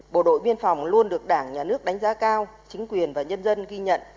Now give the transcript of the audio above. bộ đội biên phòng luôn được đảng nhà nước đánh giá cao chính quyền và nhân dân ghi nhận